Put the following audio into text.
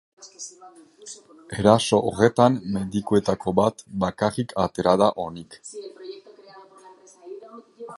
Eraso horretan medikuetako bat bakarrik atera da onik.